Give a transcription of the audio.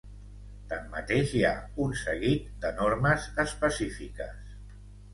Tanmateix hi ha un seguit de normes específiques.